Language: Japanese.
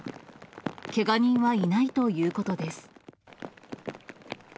けが人はいないということです。